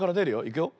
いくよ。